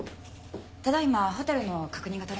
ただ今ホテルの確認が取れました。